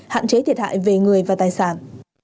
hạn chế thiệt hại về người và tài sản